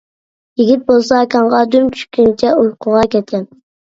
يىگىت بولسا كاڭغا دۈم چۈشكىنىچە ئۇيقۇغا كەتكەن.